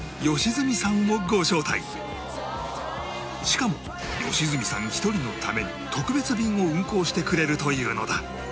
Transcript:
しかも良純さん一人のために特別便を運行してくれるというのだ